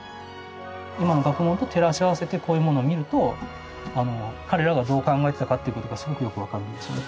今の学問と照らし合わせてこういうものを見ると彼らがどう考えてたかっていうことがすごくよく分かるんですよね。